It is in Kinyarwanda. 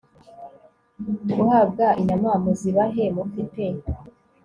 guhabwa inyama muzibahe mufite